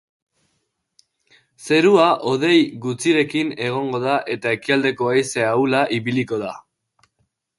Zerua hodei gutxirekin egongo da eta ekialdeko haize ahula ibiliko da.